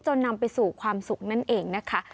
นำไปสู่ความสุขนั่นเองนะคะ